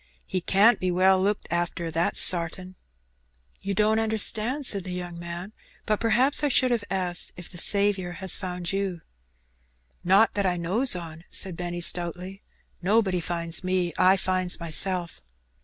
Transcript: He can't be well looked arter, that's sartin/' ''You don't understand," said the young man; ''but perhaps I should have asked if the Saviour has found you?" '^Not that I knows on," said Benny, stoutly. ''Nobody finds me; I finds myself."